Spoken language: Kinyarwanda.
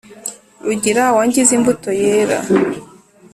rugira wangize imbuto yera